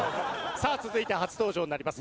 さあ続いて初登場になります。